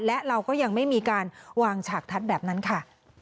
และเราก็ยังไม่มีการวางฉากทัศน์แบบนั้นค่ะ